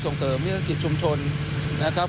ส่งเสริมเมืองเศรษฐกิจชุมชนนะครับ